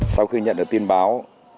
sau khi nhận được tin báo